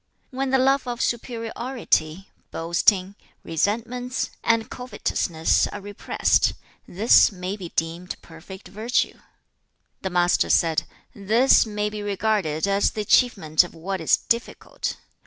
'When the love of superiority, boasting, resentments, and covetousness are repressed, this may be deemed perfect virtue.' 2. The Master said, 'This may be regarded as the achievement of what is difficult.